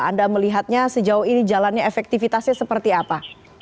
anda melihatnya sejauh ini jalannya efektivitasnya seperti apa